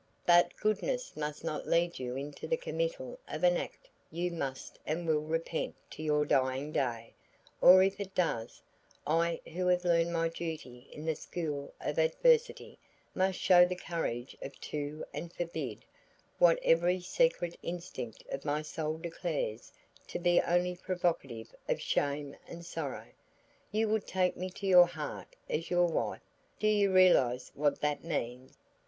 But goodness must not lead you into the committal of an act you must and will repent to your dying day; or if it does, I who have learned my duty in the school of adversity, must show the courage of two and forbid what every secret instinct of my soul declares to be only provocative of shame and sorrow. You would take me to your heart as your wife; do you realize what that means?"